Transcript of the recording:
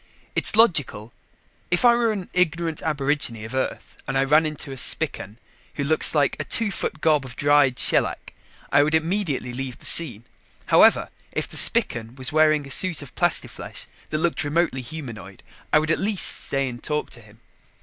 It's logical. If I were an ignorant aborigine of Earth and I ran into a Spican, who looks like a two foot gob of dried shellac, I would immediately leave the scene. However, if the Spican was wearing a suit of plastiflesh that looked remotely humanoid, I would at least stay and talk to him.